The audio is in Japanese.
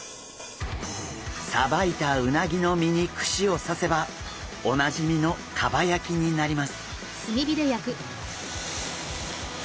さばいたうなぎの身に串を刺せばおなじみの蒲焼きになります。